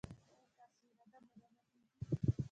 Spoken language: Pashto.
ایا ستاسو اراده به نه ماتیږي؟